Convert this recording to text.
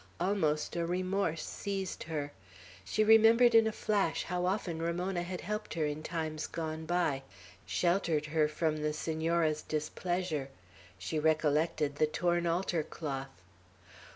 Almost a remorse seized her. She remembered in a flash how often Ramona had helped her in times gone by, sheltered her from the Senora's displeasure. She recollected the torn altar cloth.